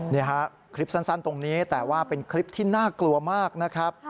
นี่ฮะคลิปสั้นตรงนี้แต่ว่าเป็นคลิปที่น่ากลัวมากนะครับ